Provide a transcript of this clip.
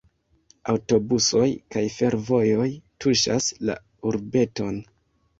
Aŭtobusoj kaj fervojoj tuŝas la urbeton.